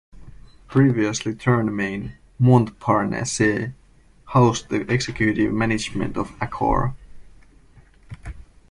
Previously Tour Maine-Montparnasse housed the executive management of Accor.